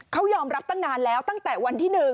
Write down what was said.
เขายอมรับตั้งนานแล้วตั้งแต่วันที่๑